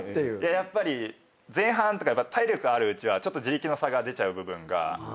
やっぱり前半とか体力あるうちは地力の差が出ちゃう部分があるんで。